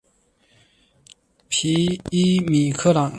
皮伊米克朗。